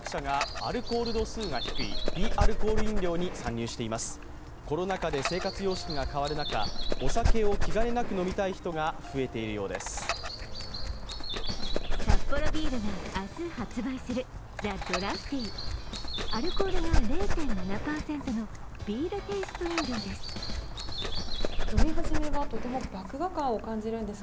アルコールが０．７％のビールテイスト飲料です。